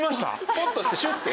ポンッとしてシュッと。